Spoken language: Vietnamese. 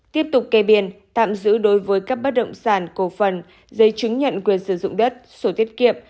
tiếp tục kê biên tạm giữ đối với các bất động sản cổ phần giấy chứng nhận quyền sử dụng đất sổ tiết kiệm